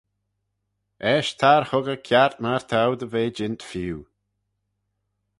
Eisht tar huggey kiart myr t'ou dy ve jeant feeu.